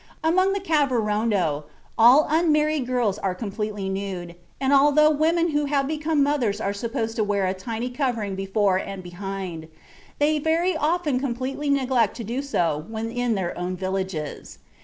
Among the Kavirondo, all unmarried girls are completely nude, and although women who have become mothers are supposed to wear a tiny covering before and behind, they very often completely neglect to do so when in their own villages.